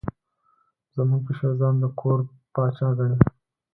زموږ پیشو ځان د کور پاچا ګڼي.